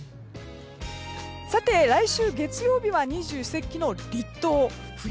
さて来週月曜日は二十四節気の立冬。